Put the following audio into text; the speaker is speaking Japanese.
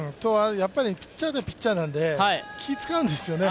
ピッチャーはピッチャーなので気を使うんですよね。